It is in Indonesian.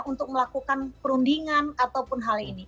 untuk melakukan perundingan ataupun hal ini